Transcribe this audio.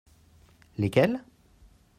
Lesquelles ?